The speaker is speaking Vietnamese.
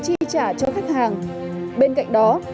chi trả cho khách hàng bên cạnh đó